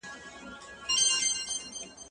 زه به اوږده موده شګه پاکه کړې وم،